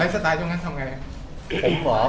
ไลฟ์สไตล์จงงั้นทำยังไง